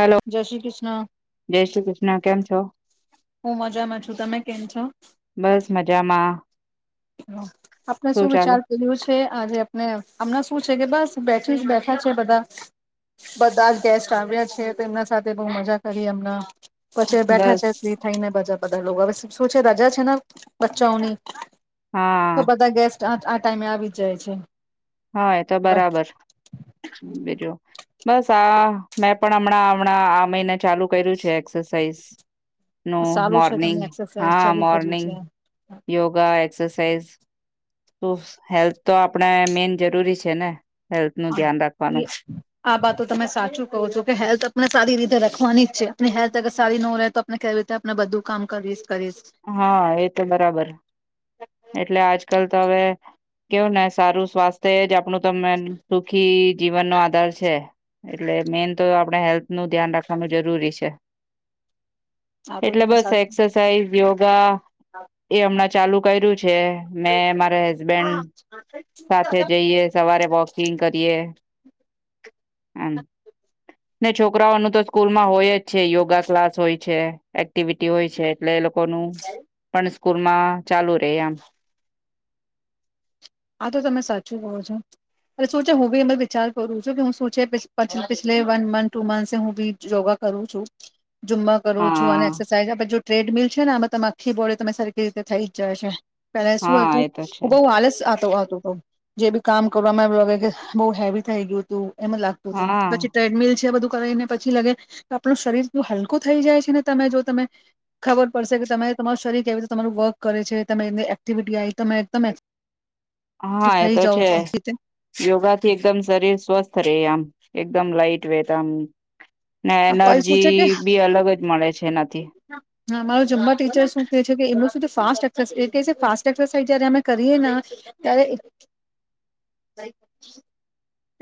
Hello જય શ્રી કૃષ્ણ [inaudible] જય શ્રી કૃષ્ણ કેમ છો હું મજામાં છું તમે કેમ છો બસ મજામાં આપણે શું વિચાર કર્યું છે આજે આપને હમણાં શું છે કે બસ બેઠીજ બેઠા છે બધા બધા જ ગેસ્ટ આવ્યા છે તેમના સાથે બહુ મજા કરી અમણાં પછી બેઠા બસ છે ફ્રી થઈને બધા બધા લોકો હવે શું છે રજા છે ને બચ્ચાઓની હા આજ આ ટાઈમ એ આવી જાય છે હા એ તો બસ બરાબર બીજું બસ હા મેં પણ હમણાં હમણાં આમે ન ચાલુ કર્યું છે એક્સરસાઇઝ નો સારું છે મોર્નિંગ તમે એક્સરસાઇઝ હા ચાલુ મોર્નિંગ કર્યું યોગા એક્સરસાઈઝ તો હેલ્થ તો આપણે મેઈન જરૂરી છે ને હેલ્થ નું હા ધ્યાન એ રાખવાનું આ વાતો તમે સાચું કહો છો કે હેલ્થ આપને સારી રીતે રખવાની જ છે ની હેલ્થ અગર સારી ન રહે તો આપણે કેવી રીતે આપણે બધું કામ કરીશ કરીશ હા એ તો બરાબર એટલે આજકાલ તો હવે કેવું ના સારું સ્વાસ્થ્ય જ આપણું તો [unintelligible] સુખી જીવનનો આધાર છે એટલે મેન તો આપણે હેલ્થનું ધ્યાન રાખવાનું જરૂરી છે આ તો એટલે તમે બસ સાચું એક્સરસાાઈઝ યોગા એ હમણાં ચાલુ કર્યુ છે મે મારા હસબેન્ડ સાથે જઈએ સવારે વોકિંગ કરીએ હમ્ ને છોકરાઓનું તો સ્કૂલમાં હોય જ છે યોગા ક્લાસ હોય છે એક્ટિવિટી હોય છે એટલે લોકો કોનું પણ સ્કૂલમાં ચાલુ રે એમ આ તો તમે સાચું કહો છો અને શું છે હું બી એમા વિચાર કરું છું કે હું શું છે [unintelligible] વન મંથ ટૂ મંથ સે હું બી યોગા કરું છું જુમમા કરું છું અને હા એક્સરસાઇઝ [unintelligible] ટ્રેડમિલ છે ને આમાં તમે આખી બોળી તમે સરખી રીતે થઈ જાય છે પેલા શું હા હતું એ તો છે બહુ આલસ આ જે બી કામ કરવામાં એવું લાગે કે બહુ હેવી થઈ ગયું તું એમાં લાગતું તું હા પછી ટ્રેડમિલ છે બધું કરીને પછી લગે કે આપણું શરીર એટલું હલકું થઈ જાય છે ને તમે જો તમે ખબર પડશે કે તમે તમારું શરીર કેવી રીતે તમારું વર્ક કરે છે તમે એની એક્ટિવિટી આઇ તમે તમેજ હા એ તો છે યોગા થી એકદમ શરીર સ્વસ્થ રહે આમ એકદમ લાઈટ વેટ આમ ને આપ શું છે કે, એનર્જી બી અલગ જ મળે છે એનાથી હા માર જુંમા ટીચર શું કે છે કે એમનું ફાસ્ટ એ ફાસ્ટ એક્સરસાઇઝ જારે અમે કરીએ ત્યારે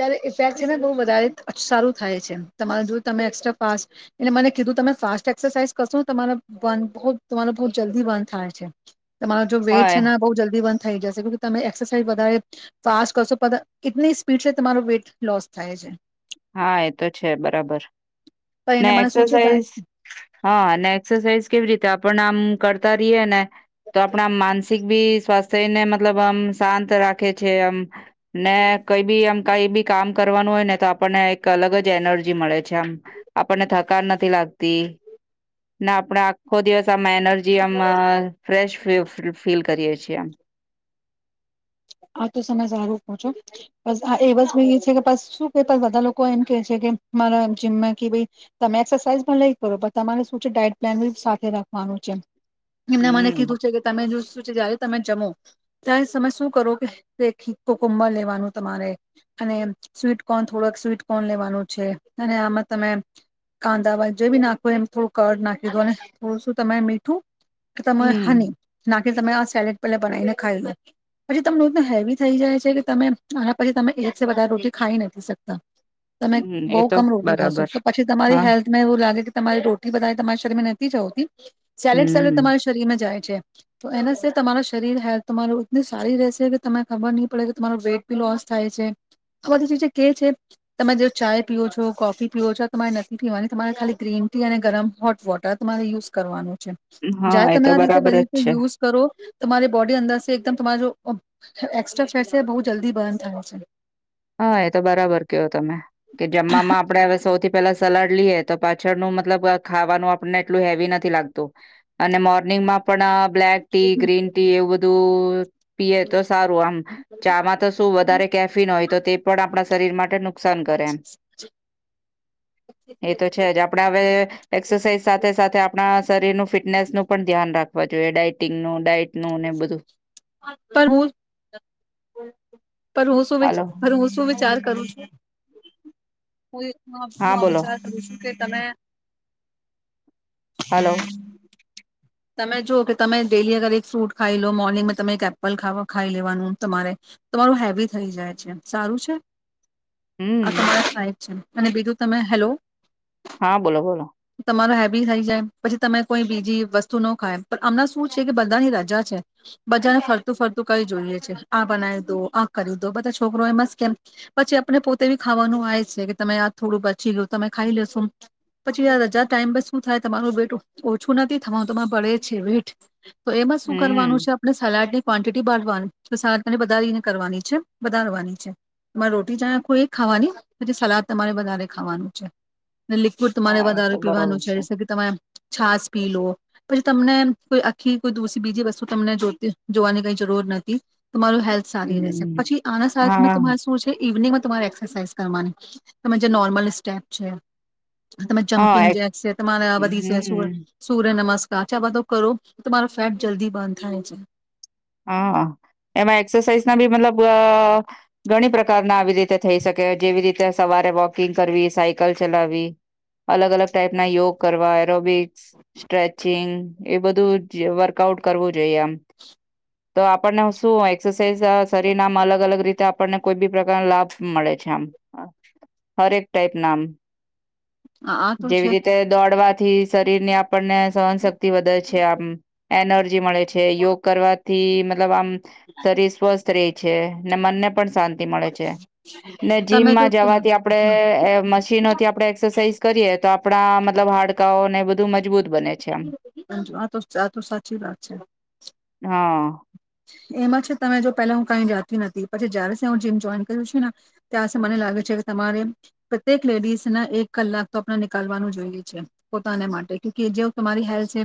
ત્યારે ઇફેક્ટ છે ને બહુ વધારે સારું થાય છે. તમારે જો તમે એક્સ્ટ્રા ફાસ્ટ એટલે મને કીધું તમે ફાસ્ટ એક્સરસાાઈઝ કરશો ને તમારા વન બહુ તમાર બહુ જલ્દી વન થાય છે. તમારો જો હા વેટ એ છે ને બહુ જલ્દી બન થઈ જશે તમે એક્સરસાઇઝ વધારે ફાસ્ટ કરશો પ પીટસે તમારો વેઇટ લોસ થાય છે. હા એ તો છે બરાબર. પણ ને એને મને શું છે એક્સરસાઇઝ થાય હા ને એક્સરસાઇઝ કેવી રીતે તો આપણ આમ કરતા રહીએ ને તો આપણા માનસિક ભી સ્વાસ્થ્યને મતલબ આમ શાંત રાખે છે. આમ ને કઈ બી એમ કઈ બી કામ કરવાનું હોય ને તો આ આપણને એક અલગ જ એનર્જી મળે છે આમ આપણને થક નથી લાગતી ને આપણે આખો દિવસ એનર્જી અમાં ફ્રેશ ફીલ ફ્રી ફીલ કરીએ છીએ એમ આ તો તમે સારું કહ છો બસ આ એ વસ્ છે કે શું કે બધા લોકો એમ કે છે કે મારા જીમમાં કે ભ તમે એક્સરસાઇઝ પણ લઈ કરો પણ તમારે શું છે ડાયટ પ્લાન સાથે રાખવાનું છે. એમને મને હમ્મ, કીધું છે કે તમે જો શું છે જ્યારે તમે જમો તાય સમય શું શ કરો કે રે ખી કોકભ લેવાનું તમારે‌ અને સ્વીટકોર્ન થોડોક સ્વીિટકોર્ન લેવાનું છે અને આમાં તમે કાંદાવા જે બી નાખોય એ થોડું કર નાખી દો અને થોડું શું તરે મીઠું કે તમ હમ્મ, હની નાટ તમે આ સેલેડ પેલા બનાવી ને ખાઈ લો પછી તમને એનું હેવી થઈ જાય છે કે તમે આના પછી તમે એક વધારે રોટી ખાઈ નથી શકતા તમે હમ્મ, એ બહુ તો કમ રોટી ખશો બરાબર. તો પછી તમારી હા, હેલ્થમાં એવું લાગે તમારી રોટલી બધા તમારા શરીર નથી જ હોતી સેલેડ સેલેડ હમ્મ, તમારા શરીર માં જાય છે તો એના તમા શરીર હેલ્થ તમારુ સારી રહેશે કે તમને ખબર નહી પડે કે તમારો વેઇટ બી લોસ થાય છે આ બધી કે છે તમે જો ચાય પીઓ છો કોફી પી છો તમારે નથી પીવાની તમારે ખાલી ગ્રીન ટી અને ગરમ હોટ વોટર તમારે યુઝ કરવાનું જાય હા, એ તમે તો આ રીતે બરાબર બધી જ રીતે છે. યુઝ કરો તમારી બોડી અંદર એકદમ તમા જો ઓ એક્સ્ટ્રા ફેર છે બહુ જલ્દી બર્ન થાય છે. હા એ તો બરાબર કેયો તમે કે જમવામાં આપણે હવે સૌથી પેલા સલાડ લઈએ તો પાછળનું મતલબ ખાવાનું આપને એટલું હેવી નથી લાગતું અને મોર્નિંગમાં પણ બ્લેક ટી ગ્રીન ટી એવુ ધુ પીએ તો સારું આમ ચામાં તો શું વધારે કેફિન હોય તે પણ આપણા શરીર માટે નુ નુસાન કરે એમ એ તો છે જ આપણા હવે એક્સરસાઇઝ સાથે સાથે આપણા શરીરનું ફિટનેસનું પણ ધ્યાન રાખવા જોઈએ ડાયટિંગનું ડાઇટ પર હુ હમ પર હુ સુ વિ હાલો પર હુ સુ વિચાર કરું છું હું હા હું આ બોલો વિચાર કરું છું કે તમે હાલો તમે જો કે તમે ડેલી અગર એક ફ્રૂટ ખાઈ લો મોર્નિંગમાં તમે એક એપલ ખ ખાઈ લેવાનું તમારે તમારું હેવી થઈ જાય છે સારું છે આ હમ તમારા સાહેબ છે. અને બીજું તમે હેલો હા બોલો બોલો તમારો હેબી થઈ જાય પછી તમે કોઈ બીજી વસ્તુ ખાય આમણાં શું છે કે બધાની રજા છે બધાને ફરતું ફરતું કઈ જોઈએ છે આ બનાવી દો આ કરી દો બધા છોકરો એ મસ્ત કેમ પછી આપને પોતે બી ખાવાનું આ છે કે તમે આ થોડું બચી ગયું તમે ખાઈ લેશો પછી રજા ટાઈમ પર શું થાય તમારું બેટું ઓછું નથી થવાનું તોમાં બડે છે વેટ તો એમાં શું કરવાનું હમ છે આપણે સલાડી ક્વોન્ટિટી બાળવાની સદ તને વધારેને કરવાની છે વધારવાની છે તમારે રોટી જ કોઈ ખાવાની પછી સલાદ તમારે વધારે ખાવાનું છે. લિક્વિડ તમારે હા એ તો વધારે પીવાનું બરાબર છે જેસે કે તમાર છાછ પી લો પછી તમને કોઈ આખી કોઈ દૂષ બીજી વસ્તુ તમને જોતી જોવાની કઈ જરૂર નથી તમારું હેલ્થ સારી ર રહેસે, હમ પછી આના સ હા તમારે શું છે ઇવનિંગ તમારે એક્સરસાઝ કરવાની તમે જે નોર્મલ સ્ટેપ છે તમે હા જમ્પિંગ એક જેક છે તમારે આ બી છે હમ સૂર્ય નમસ્ બ કાચા બધ કરો તમારો ફેટ જલ્દી બર્ન થાય છે હા એમાં એક્સરસાઇઝ ના બી મતલબ ઘણી પ્રકારના આવી રીતે થઈ શકે જેવી રીતે સવારે વોકિંગ કરવી સાયકલ ચલાવી અલગ અલગ ટાઈપ ના યોગ કરવા એરોબિક સ્ટ્રેચિંગ એ બધું વર્કઆઉટ કરવું જોઈએ આમ તો આપણને શું એક્સરસાઇઝ શરીર ના આમ અલગ અલગ રીતે આપણને કોઈ બી પ્રકારનો લાભ મળે છે આમ હરેક ટાઈપ ના આમ આ આ તો છે જેવી રીતે દોડવા થી શરીર ને આપ આપણને સહન શક્તિ વધે છે આમ એનર્જી મળે. છેય યોગ થી મ મતલબ આમ શરીર સ્વસ્થ સ્ત્રી છે ને મને પણ શાંતિ મળે છે ને તમે જો જીમમાં જવાથી આપણે મશીનોથી આપણે એક્સરસાઇઝ કરીએ તો આપણા મતલબ હાડકાઓ ને બધા આ તો આ તો સાચી વાત છે. હા. એમાં છે ત જો પહેલા હું કઈ જાતી નથી પછી જય્યારે હ જીમ જોઈન કરું છ છેું ને ત્યાર મને લાગે છે તમારે પ્રત્યેક લેડીસને એક કલાક તો આપણે નીકાલવાનું જોઈએ છે પોતાને માટે કે જે તમારી હેલ્થ છે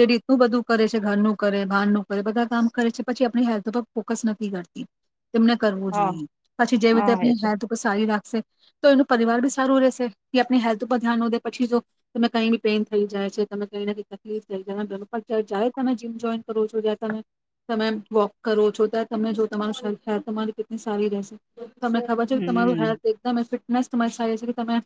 જેડી એટલું બધું કરે છે ઘરનું કરે ભાન ન કરે બધા કામ કરે છે પછી આપણી હેલ્થ ઉપર ફોકસ નથી કરતી. તેમને કરવું હા, જોઈએ પછી જેવી હા એ રીતે તો આપ હે સારી રાખ તો એનું પરિવાર બી સારું રહેેશે કે આપની હેલ્થ ઉપર ધ્યાન હો દે પછી જો તમે કઈ બી પેન થઈ જાય છે તમે ક કઈ તકલીફ થઈ જાય જ. તમે જીમ જોઈન કરો છો જ તમે તમે વોક કરો છો ત તમને જો તમારું તમારી કેટલી સારી રહેશે. તમને ખબર છે કે તમારું હમ્મ, હેલ્થ એકટ એ સમજ થારી છે કે તમે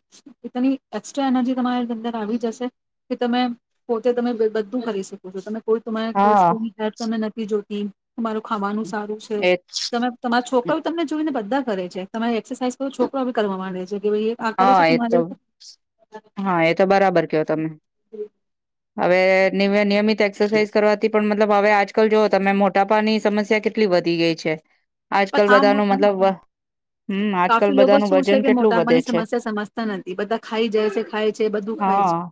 એની એસ્ટ્રા એનર્જી તમારી અંદર આવી જશે કે તમે પોતે તમે બધું કરી શકો છો તમે કોઈ તમા હા. કોઈ [unintelligible] જો તે તમારું ખાવાનું સારું છે એ તમે તમારા છોકરાઓ તમને જોઈને બધા કરે છે. તમારે એક્સરસાઇઝો છોકરો કરવા માંડે છે. કે ભાઈ આ કરે હા છે એ તો મારી પણ હા એતો બરાબર કયો તમે. હવે નિયમેં નિયમિત એક્સરસાઝ કરવાથી પણ મતલબ હવે આજકાલ જોઓ તમે મોટાપની સમસ્યા કેટલી વધી ગઈ છે. આજ કલ આમ બધાનું મતલબ મોટા હમ આજકાલ બધાનું વજન કેટલું વધે છે. પૈ સમજતા નથી બધા ખાઈ જાય છે ખાય છે બધું ખાય છે હા.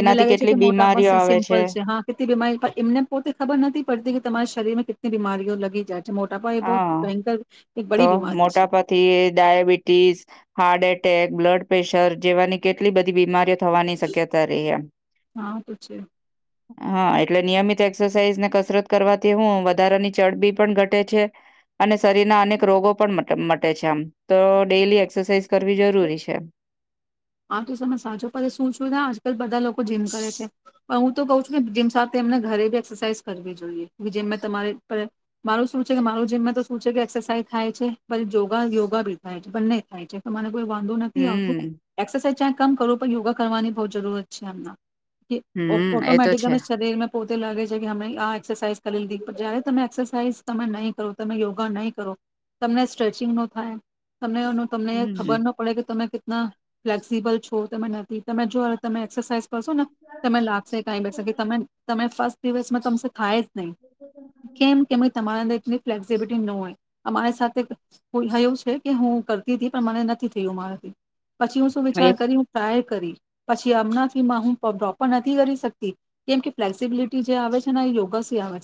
એમને લાગે છે કેટલી કે મોટા બીમારીઓ પ આવે સિમ્પલ છે હા કેટલી બીમારી એમને પોતે ખબર નથી પડતી કે તમારી શરીરમાં બીમાારીઓ લાગી જાય મોટાપાઇ એ બહુ હા. ભયંકર એક તો બડી બીમારી છે મોટાપાથી diabetes, heart attack, blood pressure જેવાની કેટલી બધી બીમારીઓ થવાની શક્યતા રહી એમ. હા તો છે હા એટલે નિયમિત એક્સરસાઇઝ ને કસરત કરવાથી હું વધારાની ચરબી પણ ઘટે છે અને શરીરના અનેક રોગો પણ મ છે આમ તો ડેલી એક્સરસાઇઝ કરવી જરૂરી છે. આ તો તમે સાચો શું શું થ આજકાલ બધા લોકો જીમ કરે છે પણ હું તો કઉ છું જીમ સાથે એમને ઘરે બી એક્સરસાાઈઝ કરવી જોઈએ જમમાં તમારે મારું શું છે કે માર જીમમાં તો શું છે કે એક્સરસાાઈઝ થાય છે યોગા યોગા ભી થાય છે બંને થાય છે. મને કોઈ વાંધો નથી આવો હમ એક્સરસાઝ કમ કરવું યોગા કરવાની બહ જરૂરત છે એમને. કે હમ એ તો ઓટોમેટિક છે શરીરમાં પોતે લાગે છે કે અમે આ એક્સરસાાઈઝ કરી લીધી પણ જ્યારે તમે એક્સરસાાઈઝ તમે નહીં કરો તમે યોગા નહીં કરો તમને સ્ટ્રેચિંગ ન થાય તમને તમને ખબર હમ ન પડે કે તમે ના ફ્લેક્સિબલ છો તમે નથી તમે જો તમે એક્સરસાઇઝ કરશો ને તમે લાગશે કઈ બેસે કે ત તમે ફસ્ટ દિવસમાં તો થાય નહી કેમ કે તમારા અંદર ની ફ્લેક્સિબિલિટી ન હોય અમારી સાથેું છે કે હું કરતી હતી પણ મને નથી થયું મારાથી પછી હું શું વિચાર એ કરી સાહેબ પછી એમના નથી કરી શક કેમ કે ફ્લેક્સબિલિટી જે આવે છે તે યોગ થી આવે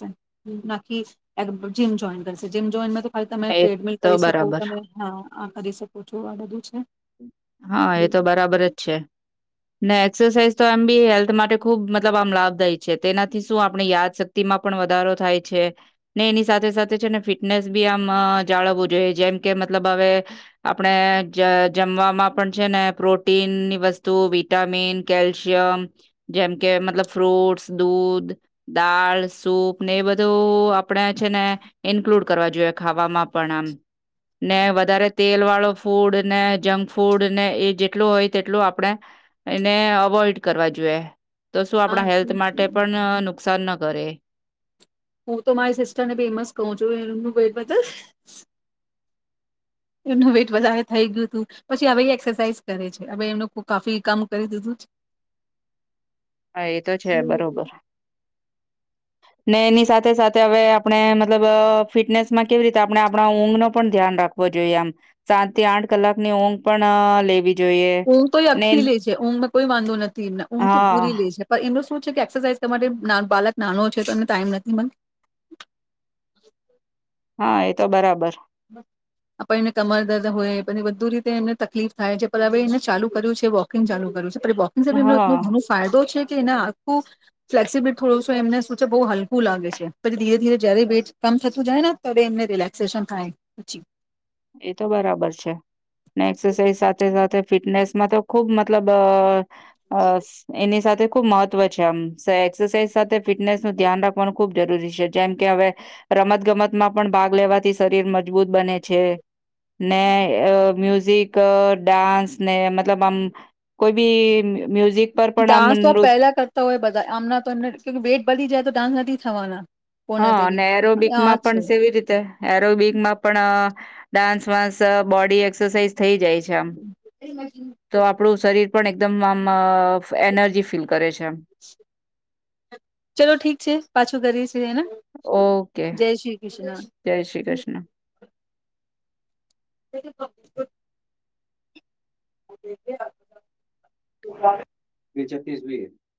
છેમ જોમ જો હવે તમે એ ટ્રેડમિલ તો કરી શકો બરાબર તમે હા આ કરી શકોું છો આ બધું છે હા એ તો બરાબર જ છે ને એક્સરસાઇઝ તો એમ બી હેલ્થ માટે ખુબ મતલબ આમ લાભદાય છે તેનાથી શું આપણી યાદશક્તિમાં પણ વધારો થાય છે ને એની સાથે સાથે છે ને ફિટનેસ બી આમ જાળવવું જોઈએ જેમ કે મતલબ હવે આપણે જમવામાં ને પ્રોટીનની વસ્તુ વિટામીન કેલ્શિયમ જેમ કે મતલબ ફ્રૂટસ દૂધ દાળ સૂપ ને એ બધું આપણે છે, ને ઈન્કલુડ કરવા જોઈએ ખાવામાં પણ આમ ને વધારે તેલ વાળો ફૂડ ને જંક ફૂડ ફૂડ ને એ જેટલું હોય તેટલું આપણેે એને અવોઈડ કરવા જોઈએ, તો શું હા આપણા હેલ્થ માટે પણ નુકસાન ન ઘરે હું તો મારી સિસ્ટરને ફેમસ કહું છું, એમ વટ એમ વેટ વધ થઈ ગયુંું પછી હવે એસરસાાઈઝ કરે છે, હવે એમનું કાફી કામ કરી દીધું હા એ તો છે બરોબર ને એની સાથે સાથે હવે આપણે મતલબ ફિટનેસ માં કેવી રીતે આપણે આપણા ઊંઘ ન પણ ધ્યાન રાખવો જોઈએ, આમ સાત થી આઠ કલાકની ઊંઘ પણ લેવી જોઈએ ઊંઘ તો એ ને આખી લે છે ઊંઘમાં કોઈ વાંધો નથી, એમને ઊંઘ તો હા પૂરી લે છે પણ એમનું શું છે કે એક્સરસાઇઝ તમારે બાલક નાનો છે, તો એમને ટાઈમ નથી મળ હા એ તો બરાબર આપડ એને કમર દર્દ હોયછી બધુ રીતે એમને તકલીફ થાય છે, પણ હવે એને ચાલુ કર્યું છે વોકિંગ ચાલુ કર્યું છે, બોકિંગ સાી એમને હા એટલો ઘણો ફાયદો છે, કે એના આખું ફ્લેક્સિબિલ થોડું એમને શું છે બહુ હલકું લાગે છે, પછી ધીરે ધીરે જ્યારે વેટ કમ થતું જાય ને ત્યારે એમને રિલેક્સેશન થાય, પચી એ તો બરાબર છે, ને એક્સરસાઇઝ સાથે સાથે ફિટનેસ માં તો ખુબ મતલબ અ એની સાથે ખુબ મહત્વ છે, આમ એક્સરસાઇઝ સાથે ફિટનેસ નું ધ્યાન રાખવાનું ખુબ જરૂરી છે, જેમ કે હવે રમત ગમતમાં પણ ભાગ લેવાથી શરીર મજબૂત બને છે, ને મ્યુઝિક ડાન્સ ને મતલબ આમ કોઈ બી મ્યુઝિક પર પણ આમ ડાન્સ તો નૃ પહેલા કરતા હોય, બધા આમના તો એમને વેટ બી જાય તો ડાન્સ નથી છવાના હા, અને એરોબિકમાં પણ સવી રીતે એરોબિકમાં પણ ડાન્સ વાન્સ બોડી એક્સરસઇઝ થઈ જાય છે, આમ તો આપણું શરીર પણ એકદમ આમ એનર્જી ફીલ કરે છે, એમ ચલો ઠીક છે પાછું કરીશ. ે ઓકે જય શ્રી કૃષ્ણ. જય શ્રી કૃષ્ણ. [inaudible] [inaudible] એ છત્તીસવી.